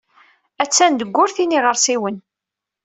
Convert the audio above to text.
Attan deg wurti n yiɣersiwen.